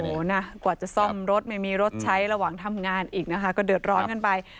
โอ้โหนะกว่าจะซ่อมรถไม่มีรถใช้ระหว่างทำงานอีกนะคะก็เดือดร้อนกันไป